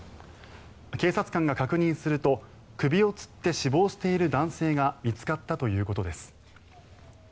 警察官が確認すると首をつって死亡している男性が見つかったということです。